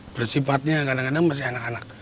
bersifatnya kadang kadang masih anak anak